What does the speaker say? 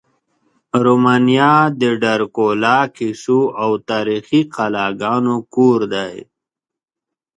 رومانیا د ډرکولا کیسو او تاریخي قلاګانو کور دی.